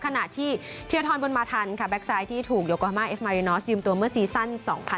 ขณะที่เทียทรบุญมาทันค่ะแก๊กไซด์ที่ถูกโยกามาเอฟมารินอสยืมตัวเมื่อซีซั่น๒๐๑๖